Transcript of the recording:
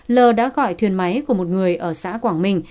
lơ đã gọi thuyền máy của một người ở xã quảng bình